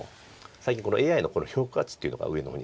最近ＡＩの評価値というのが上の方に。